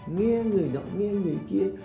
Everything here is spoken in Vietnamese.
nghe người đó nghe người kia